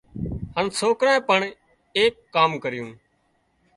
هانَ سوڪرانئين پڻ ايڪ ڪام ڪريون